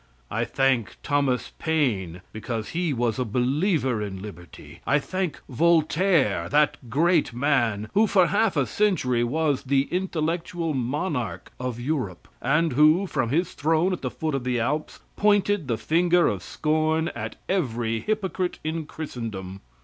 I thank Thomas Paine because he was a believer in liberty. I thank Voltaire, that great man who for half a century was the intellectual monarch of Europe, and who, from his throne at the foot of the Alps, pointed the finger of scorn at every hypocrite in Christendom.